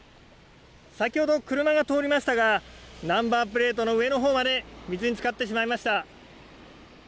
先ほど、車が通りましたが、ナンバープレートの上のほうまで水につかってしまいました。